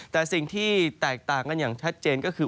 แต่สิ่งที่แตกต่างกันอย่างชัดเจนก็คือ